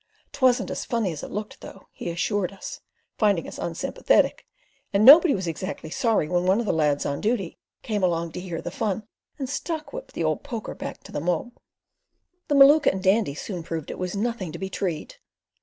'Twasn't as funny as it looked, though," he assured us, finding us unsympathetic, "and nobody was exactly sorry when one of the lads on duty came along to hear the fun, and stock whipped the old poker back to the mob." The Maluka and the Dandy soon proved it was nothing to be "treed."